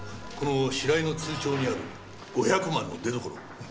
この白井の通帳にある５００万の出どころ。